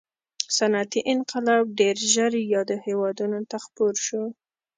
صنعتي انقلاب ډېر ژر یادو هېوادونو ته خپور شو.